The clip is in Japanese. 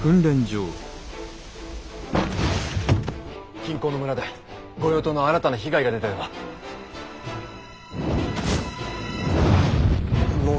近郊の村で御用盗の新たな被害が出たようだ。